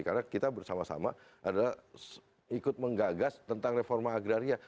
karena kita bersama sama adalah ikut menggagas tentang reforma agraria